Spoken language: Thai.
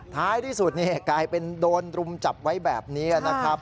ท้ายที่สุดกลายเป็นโดนรุมจับไว้แบบนี้นะครับ